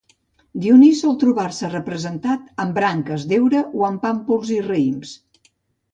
Dionís sol trobar-se representat amb branques d'heura o amb pàmpols i raïms.